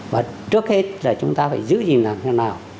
và trước hết là chúng ta phải giữ gìn làm thế nào